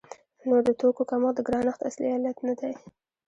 نو د توکو کمښت د ګرانښت اصلي علت نه دی.